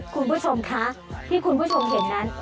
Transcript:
คุณผู้ชมคะที่คุณผู้ชมเห็นนั้น